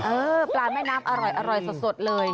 ปลาแม่น้ำอร่อยสดเลย